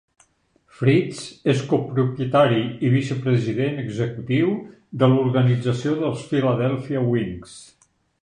Fritz és co-propietari i vice-president executiu de l'organització dels Philadelphia Wings.